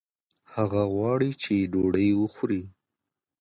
هغه غواړي چې ډوډۍ وخوړي